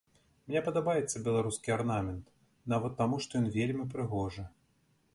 Мне падабаецца беларускі арнамент, нават таму што ён вельмі прыгожы.